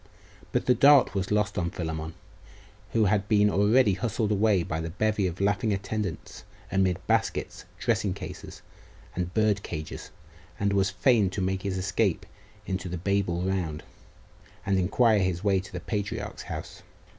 But the dart was lost on Philammon, who had been already hustled away by the bevy of laughing attendants, amid baskets, dressing cases, and bird cages, and was fain to make his escape into the Babel round, and inquire his way to the patriarch's house.